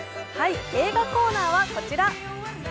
映画コーナーはこちら。